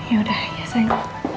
yaudah ya sayang